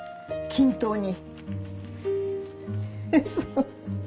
均等に。